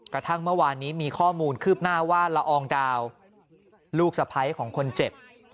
กระทั่งเมื่อวานนี้มีข้อมูลคืบหน้าว่าละอองดาวลูกสะพ้ายของคนเจ็บ